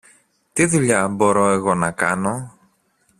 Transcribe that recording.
Τι δουλειά μπορώ εγώ να κάνω;